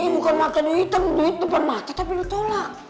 bukan mata duitan duit depan mata tapi ditolak